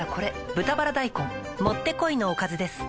「豚バラ大根」もってこいのおかずです